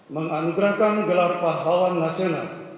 menganugerahkan gelar pahlawan nasional